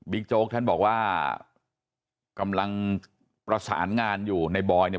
โจ๊กท่านบอกว่ากำลังประสานงานอยู่ในบอยเนี่ย